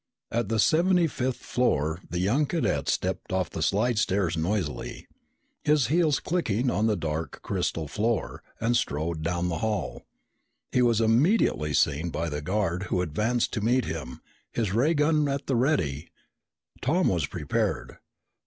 At the seventy fifth floor the young cadet stepped off the slidestairs noisily, his heels clicking on the dark crystal floor, and strode down the hall. He was immediately seen by the guard who advanced to meet him, his ray gun at the ready. Tom was prepared.